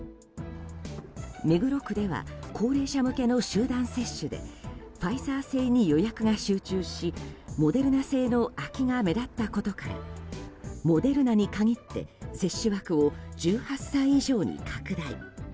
目黒区では高齢者向けの集団接種でファイザー製に予約が集中しモデルナ製の空きが目立ったことからモデルナに限って接種枠を１８歳以上に拡大。